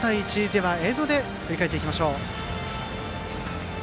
では、映像で振り返りましょう。